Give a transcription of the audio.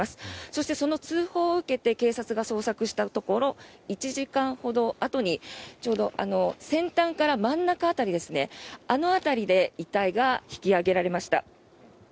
そして、その通報を受けて警察が捜索したところ１時間ほどあとにちょうど先端から真ん中辺りですねあの辺りで遺体が引き揚げられました。